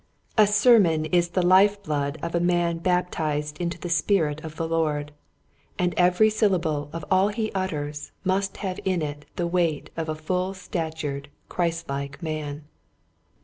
A sermon is the life blood of a man baptized into the spirit of the Lord, 144 Qiiiet Hints to Growing Preachers, and every syllable of all he utters must have in it the weight of a full statured Christ like man.